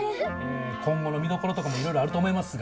今後の見どころとかもいろいろあると思いますが。